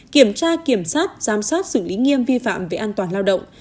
kiểm tra kiểm soát giám sát xử lý nghiêm vi phạm về an toàn lao động